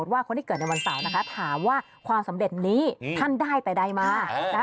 ว่าความสำเร็จนี้ท่านได้ไปได้มา